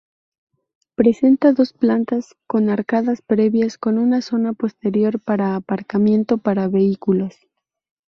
Presenta dos plantas, con arcadas previas, con una zona posterior para aparcamiento para vehículos.